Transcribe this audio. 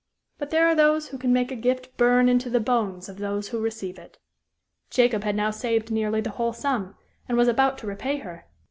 But there are those who can make a gift burn into the bones of those who receive it. Jacob had now saved nearly the whole sum, and was about to repay her.